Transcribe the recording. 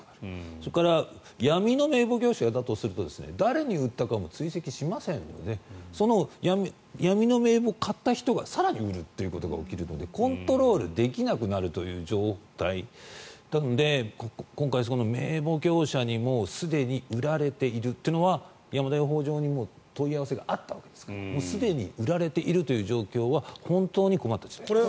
それから闇の名簿業者だとすると誰に売ったかも追跡しませんので闇の名簿を買った人が更に売るということが起きるのでコントロールできなくなるという状態なので今回、名簿業者にもすでに売られているというのは山田養蜂場に、もう問い合わせがあったわけですからすでに売られているという状況は本当に困った事態です。